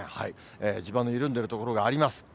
地盤の緩んでいる所があります。